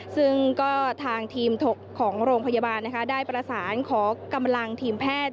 ซึ่งก็ทางทีมของโรงพยาบาลนะคะได้ประสานขอกำลังทีมแพทย์